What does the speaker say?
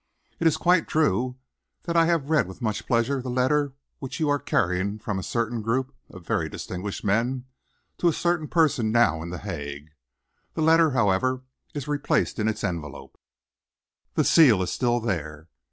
It is quite true that I have read with much pleasure the letter which you are carrying from a certain group of very distinguished men to a certain person now in The Hague. The letter, however, is replaced in its envelope; the seal is still there.